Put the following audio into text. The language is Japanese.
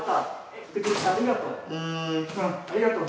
言ってくれてありがとう。